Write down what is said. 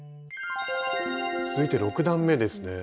続いて６段めですね。